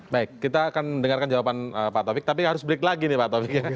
baik kita akan mendengarkan jawaban pak taufik tapi harus break lagi nih pak taufik ya